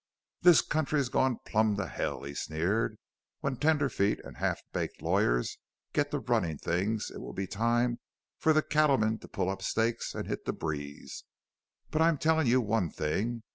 "This country's going plum to hell!" he sneered; "when tenderfeet and half baked lawyers get to running things it will be time for the cattlemen to pull up stakes and hit the breeze! But I'm telling you one thing!"